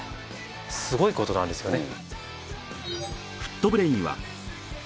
すごいことなんですよね。